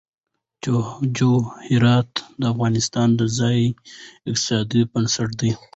جواهرات د افغانستان د ځایي اقتصادونو بنسټ دی.